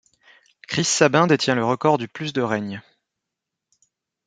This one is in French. Chris Sabin détient le record du plus de règne.